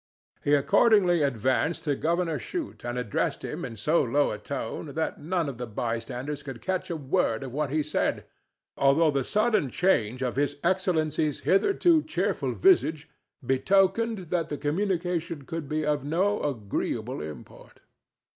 He accordingly advanced to Governor Shute and addressed him in so low a tone that none of the bystanders could catch a word of what he said, although the sudden change of His Excellency's hitherto cheerful visage betokened that the communication could be of no agreeable import.